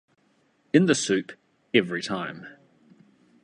In the soup, every time.